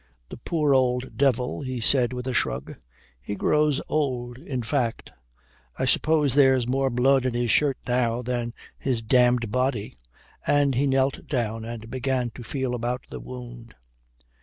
"The poor old devil," he said with a shrug. "He grows old, in fact. I suppose there's more blood in his shirt now than his damned body," and he knelt down and began to feel about the wound.